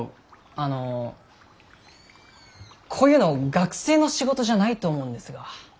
あのこういうの学生の仕事じゃないと思うんですが。